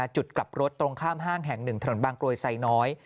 จุดกลับรถตรงข้ามห้างแห่ง๑ถนนบางกรวยไซน้อย